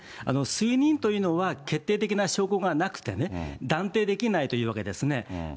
推認というのは、決定的な証拠がなくて、断定できないというわけですね。